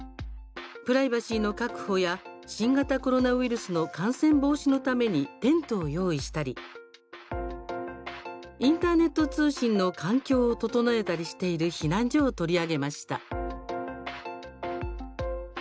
プライバシーの確保や新型コロナウイルスの感染防止のためにテントを用意したりインターネット通信の環境を整えたりしている避難所を取り上げました。